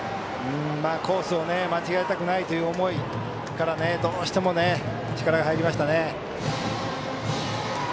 コースを間違えたくないという思いからどうしても力が入りましたね。